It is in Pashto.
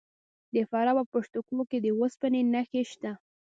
د فراه په پشت کوه کې د وسپنې نښې شته.